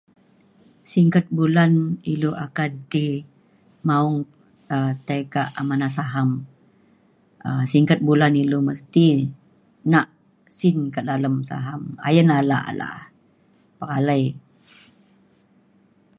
singget bulan ilu akan ti maong um tai kak amanah saham. um singget bulan ilu mesti nak sin kak dalem saham. ayen alak alak pekalai.